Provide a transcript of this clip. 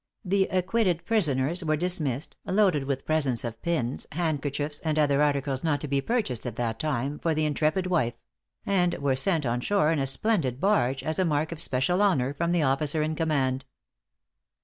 The acquitted prisoners were dismissed, loaded with presents of pins, handkerchiefs, and other articles not to be purchased at that time, for the intrepid wife; and were sent on shore in a splendid barge, as a mark of special honor from the officer in command.